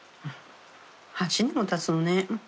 ８年も経つのね。